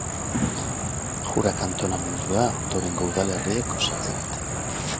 Jura kantonamendua ondorengo udalerriek osatzen dute.